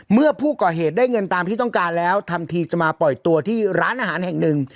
เมื่อผู้ก่อเหตุได้เงินตามที่ต้องการแล้วทำทีจะมาปล่อยตัวที่ร้านอาหารแห่งหนึ่ง